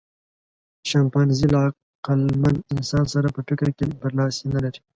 شامپانزي له عقلمن انسان سره په فکر کې برلاسی نهلري.